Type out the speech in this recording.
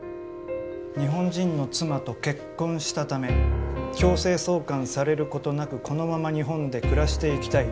日本人の妻と結婚したため強制送還されることなくこのまま日本で暮らしていきたい。